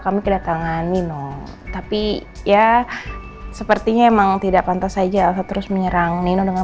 kami kedatangan nino tapi ya sepertinya emang tidak pantas saja aku terus menyerang nino dengan